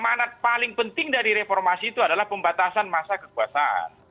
manat paling penting dari reformasi itu adalah pembatasan masa kekuasaan